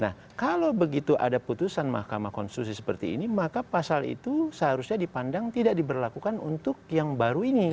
nah kalau begitu ada putusan mahkamah konstitusi seperti ini maka pasal itu seharusnya dipandang tidak diberlakukan untuk yang baru ini